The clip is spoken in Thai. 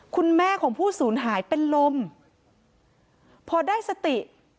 คุณแม่ของผู้สูญหายเป็นลมพอได้สติ